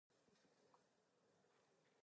List of matches played in the season.